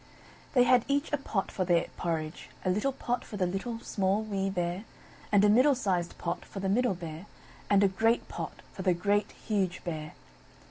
They had each a pot for their porridge, a little pot for the Little, Small, Wee Bear; and a middle sized pot for the Middle Bear, and a great pot for the Great, Huge Bear.